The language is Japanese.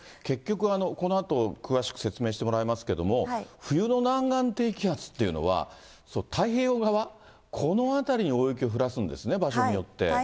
結局、このあと詳しく説明してもらいますけれども、冬の南岸低気圧っていうのは、太平洋側、この辺りに大雪を降らすんですね、場所によって。